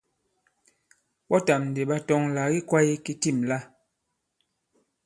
Ɓɔtàm ndì ɓa tɔŋ àlà ki kwāye ki tîm la.